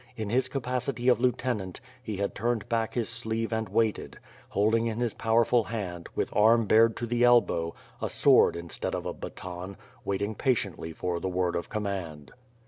In his capacity of lieutenant, he had turned back his sleeve and waited; holding in his powerful hand, with arm bared to the elbow, a sword instead of a baton, waiting patiently for the word of command.